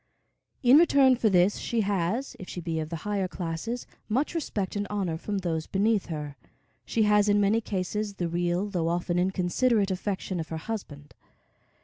In return for this, she has, if she be of the higher classes, much respect and honor from those beneath her. She has, in many cases the real though often inconsiderate affection of her husband.